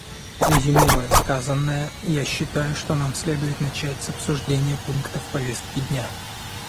Резюмируя сказанное, я считаю, что нам следует начать с обсуждения пунктов повестки дня.